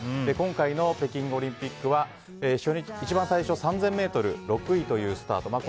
今回の北京オリンピックは一番最初３０００ｍ、６位というスタート。